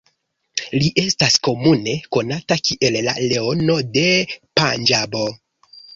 Li estas komune konata kiel la "Leono de Panĝabo".